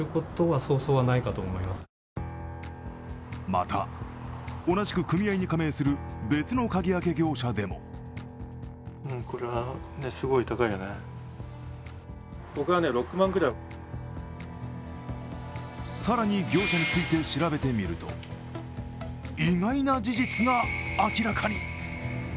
また、同じく組合に加盟する別の鍵開け業者でも更に業者について調べてみると意外な事実が明らかに。